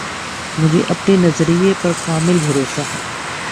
مجھے اپنے نظریہ پر کامل بھروسہ ہے